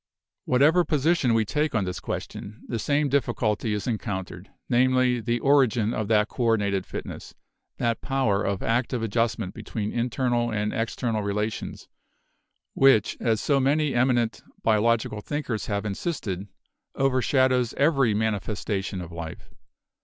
Whatever position we take on this question, the same difficulty is encountered, namely, the origin of that coordinated fitness, that power of active adjustment between internal and external rela tions, which, as so many eminent biological thinkers have insisted, overshadows every manifestation of life.